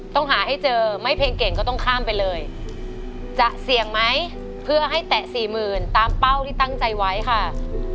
ต้องหาให้เจอไม่เพลงเก่งก็ต้องข้ามไปเลยจะเสี่ยงไหมเพื่อให้แตะสี่หมื่นตามเป้าที่ตั้งใจไว้ค่ะ